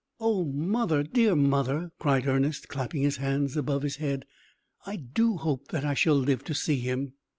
"O mother, dear mother!" cried Ernest, clapping his hands above his head, "I do hope that I shall live to see him!"